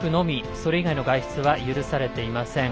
それ以外の外出は許されていません。